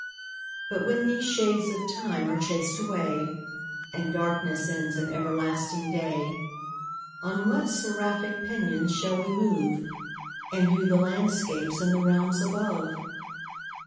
But when these shades of time are chas'd away, And darkness ends in everlasting day, On what seraphic pinions shall we move, And view the landscapes in the realms above?